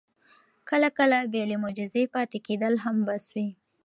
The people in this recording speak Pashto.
کله کله بې له معجزې پاتې کېدل هم بس وي.